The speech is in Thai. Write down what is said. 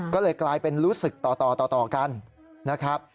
ก็เลยกลายเป็นรู้สึกต่อต่อกันนะครับ